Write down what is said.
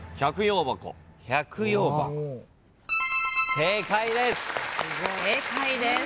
正解です。